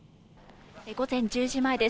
午前１０時前です。